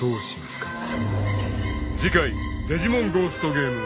［次回『デジモンゴーストゲーム』］